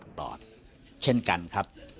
แบบเช่นกันครับ